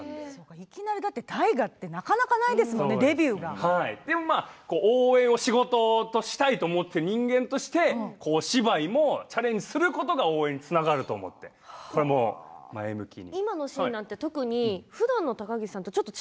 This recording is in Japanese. いきなり大河って応援を仕事としたいと思って人間としてお芝居もチャレンジすることが応援につながると思って前向きに。